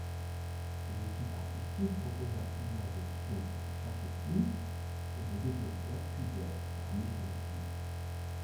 L'équipe artistique proposa plusieurs options pour chaque équipe et les développeurs puisèrent parmi celles-ci.